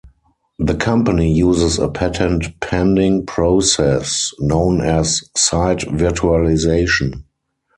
The company uses a patent pending process known as ‘site virtualization’.